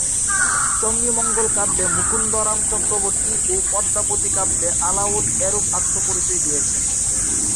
চন্ডীমঙ্গল কাব্যে মুকুন্দরাম চক্রবর্তী ও পদ্মাবতী কাব্যে আলাওল এরূপ আত্মপরিচয় দিয়েছেন।